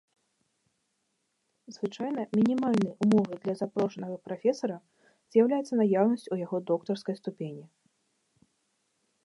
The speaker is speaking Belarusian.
Звычайна мінімальнай умовай для запрошанага прафесара з'яўляецца наяўнасць у яго доктарскай ступені.